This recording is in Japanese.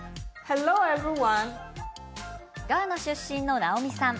ガーナ出身のナオミさん。